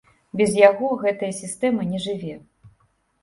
Без яго гэтая сістэма не жыве.